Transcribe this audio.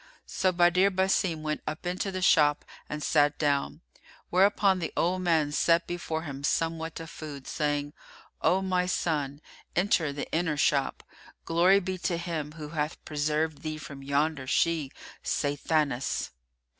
So Badr Basim went up into the shop and sat down; whereupon the old man set before him somewhat of food, saying, "O my son, enter the inner shop; glory be to Him who hath preserved thee from yonder she Sathanas!"